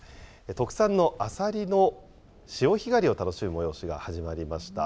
特産のアサリの潮干狩りを楽しむ催しが始まりました。